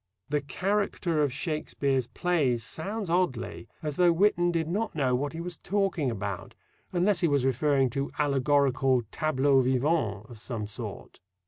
"The character of Shakespeare's plays" sounds oddly, as though Whitton did not know what he was talking about, unless he was referring to allegorical "tableaux vivants" of some sort.